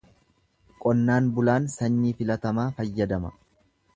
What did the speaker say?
Qonnaan bulaan sanyii filatamaa fayyadama.